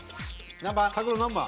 何番？